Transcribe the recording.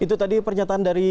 itu tadi pernyataan dari